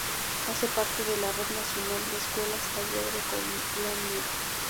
Hace parte de la Red Nacional de Escuelas Taller de Colombia.